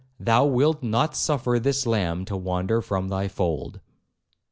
thou wilt not suffer this lamb to wander from thy fold.'